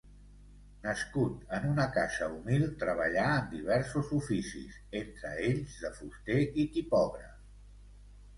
Nascut en una casa humil treballà en diversos oficis entre ells de fuster i tipògraf.